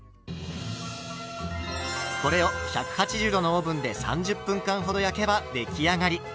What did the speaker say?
これを１８０℃のオーブンで３０分間ほど焼けば出来上がり。